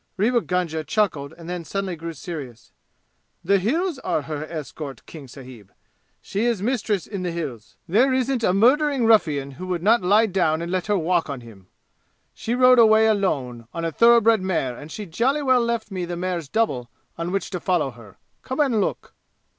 Rewa Gunga chuckled and then suddenly grew serious. "The 'Hills' are her escort, King sahib. She is mistress in the 'Hills.' There isn't a murdering ruffian who would not lie down and let her walk on him! She rode away alone on a thoroughbred mare and she jolly well left me the mare's double on which to follow her. Come and look."